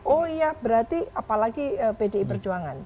oh iya berarti apalagi pdi perjuangan